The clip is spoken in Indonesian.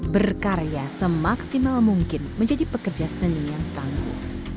berkarya semaksimal mungkin menjadi pekerja seni yang tangguh